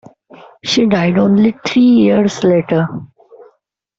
She died only three years later.